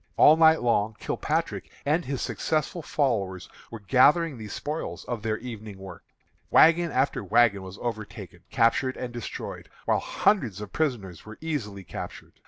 All night long Kilpatrick and his successful followers were gathering the spoils of their evening work. Wagon after wagon was overtaken, captured, and destroyed, while hundreds of prisoners were easily captured.